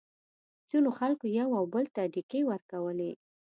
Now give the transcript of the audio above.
ځینو خلکو یو او بل ته ډیکې ورکولې.